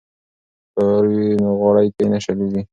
که تار وي نو غاړکۍ نه شلیږي.